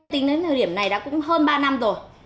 tính đến thời điểm này đã cũng hơn ba năm rồi